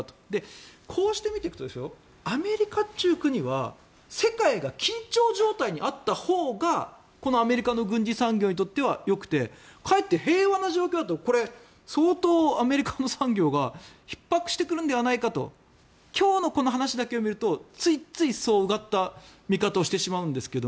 こうして見ていくとアメリカっちゅう国は世界が緊張状態にあったほうがこのアメリカの軍事産業にとってはよくてかえって平和な状況だと相当アメリカの産業がひっ迫してくるのではないかと今日のこの話だけを見るとついついそう、うがった見方をしてしまうんですが。